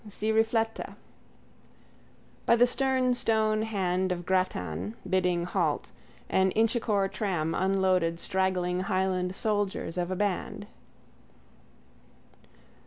Ci rifletta_. By the stern stone hand of Grattan, bidding halt, an Inchicore tram unloaded straggling Highland soldiers of a band.